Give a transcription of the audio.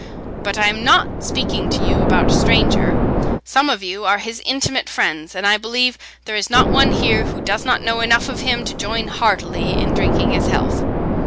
But I am not speaking to you about a stranger; some of you are his intimate friends, and I believe there is not one here who does not know enough of him to join heartily in drinking his health."